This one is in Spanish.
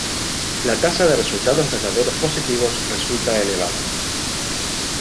La tasa de resultados verdaderos positivos resulta elevada.